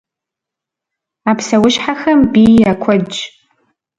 А псэущхьэхэм бий я куэдщ.